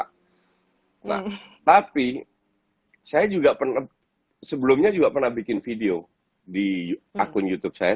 nah tapi saya juga pernah sebelumnya juga pernah bikin video di akun youtube saya